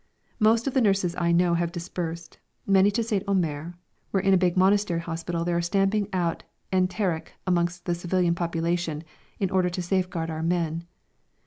Most of the nurses I know have dispersed, many to St. Omer, where in a big monastery hospital they are stamping out enteric amongst the civilian population in order to safeguard our men.